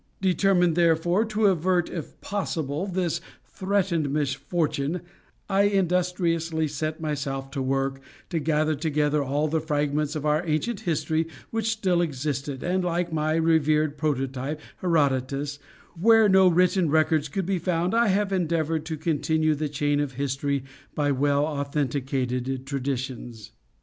Determined, therefore, to avert if possible this threatened misfortune, I industriously set myself to work to gather together all the fragments of our ancient history which still existed; and, like my revered prototype, Herodotus, where no written records could be found, I have endeavored to continue the chain of history by well authenticated traditions.